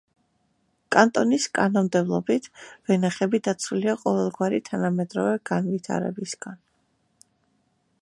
კანტონის კანონმდებლობით, ვენახები დაცულია ყოველგვარი თანამედროვე განვითარებისგან.